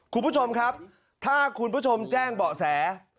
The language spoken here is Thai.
คุณผู้ชมครับถ้าคุณผู้ชมแจ้งเบาะแส